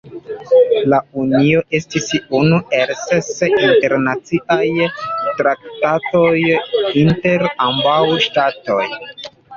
La unio estis unu el ses internaciaj traktatoj inter ambaŭ ŝtatoj.